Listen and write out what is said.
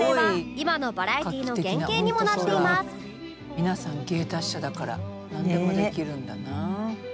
「皆さん芸達者だからなんでもできるんだなあ」